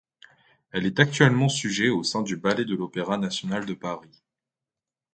Elle est actuellement sujet au sein du Ballet de l'Opéra national de Paris.